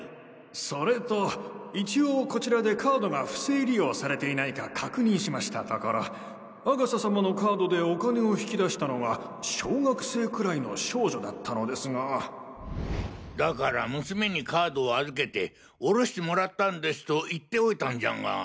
それと一応こちらでカードが不正利用されていないか確認しましたところ阿笠様のカードでお金を引き出したのが小学生くらいの少女だったのですがだから娘にカードを預けておろしてもらったんですと言っておいたんじゃが。